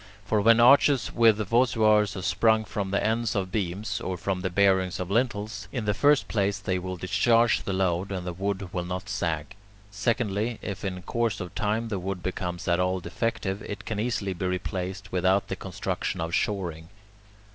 For when arches with voussoirs are sprung from the ends of beams, or from the bearings of lintels, in the first place they will discharge the load and the wood will not sag; secondly, if in course of time the wood becomes at all defective, it can easily be replaced without the construction of shoring.